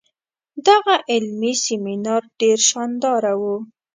دغه علمي سیمینار ډیر شانداره وو.